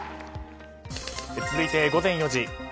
続いて午前４時。